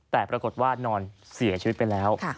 แต่ปรากฏว่านอนเสียชีวิตไปแล้ว